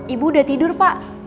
ibu udah tidur pak